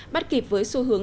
bắt kịp với xu hướng phát triển